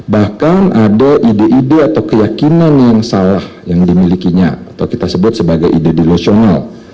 bahkan ada ide ide atau keyakinan yang salah yang dimilikinya atau kita sebut sebagai ide dilosional